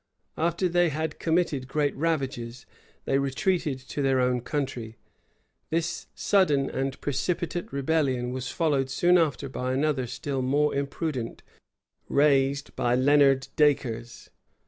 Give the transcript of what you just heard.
After they had committed great ravages, they retreated to their own country. This sudden and precipitate rebellion was followed soon after by another still more imprudent, raised by Leonard Uacres.